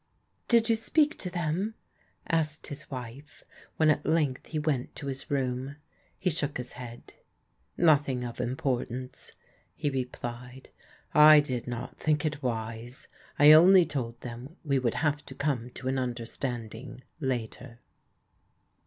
"Did you speak to them?" asked his wife when at length he went to his room. He shook his head. " Nothing of importance," he re plied. " I did not think it wise. I only told them we would have to come to an understanding later."